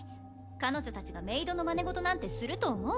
彼女達がメイドのマネごとなんてすると思う？